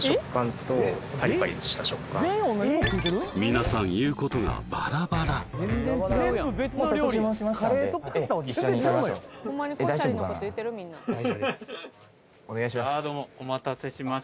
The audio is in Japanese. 皆さん言うことがバラバラ大丈夫ですお願いします